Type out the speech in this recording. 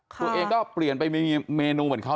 ตัวเองก็เปลี่ยนไปมีเมนูเหมือนเขา